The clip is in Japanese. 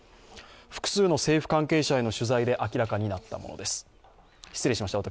複数の政府関係者への取材で明らかになったものです。